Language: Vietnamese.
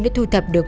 đã thu thập được